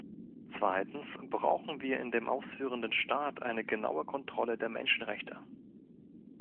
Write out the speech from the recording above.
Zweitens brauchen wir in dem ausführenden Staat eine genaue Kontrolle der Menschenrechte.